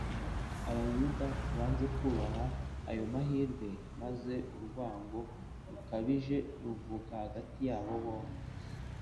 Abayuda banze kubaha ayo mahirwe, maze urwango rukabije ruvuka hagati yabo bombi